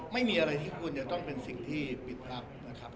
ไม่มีอะไรที่ควรจะต้องเป็นสิ่งที่ปิดรับนะครับ